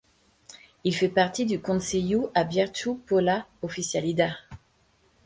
Il fait partie du Conceyu Abiertu pola Oficialidá.